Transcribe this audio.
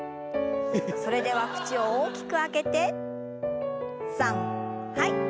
それでは口を大きく開けてさんはいっ。